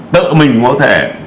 tự mình có thể